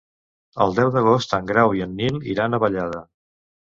El deu d'agost en Grau i en Nil iran a Vallada.